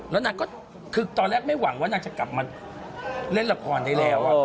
แล้วนางก็คือตอนแรกไม่หวังว่านางจะกลับมาเล่นละครได้แล้ว